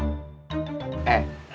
udah kaya begitu